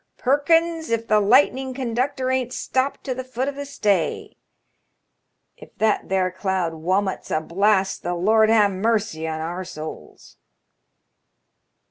Perkins, if the lightning conductor ain't stopped to the foot of the stay ! If that there HO 'L0NG8n0REMAN*a YARNS, cloud womits a blast the Lord ha' mercy on our souls.'